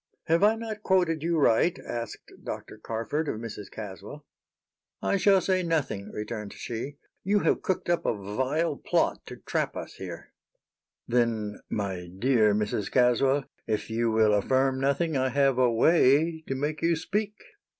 "Have I not quoted you right?" asked Dr. Harford of Mrs. Caswell. "I shall say nothing," returned she. "You have cooked up a vile plot to trap us here." "Then, my dear Mrs. Caswell, if you will affirm nothing, I have a way to make you speak."